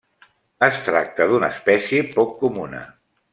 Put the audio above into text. Es tracta d'una espècie poc comuna.